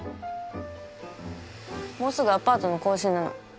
もうすぐアパートの更新なの。